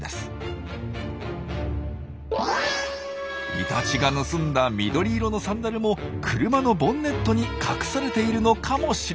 イタチが盗んだ緑色のサンダルも車のボンネットに隠されているのかもしれません。